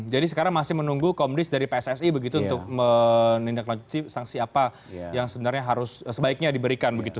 jadi sekarang masih menunggu komdis dari pssi begitu untuk menindaklanjuti sanksi apa yang sebenarnya harus sebaiknya diberikan begitu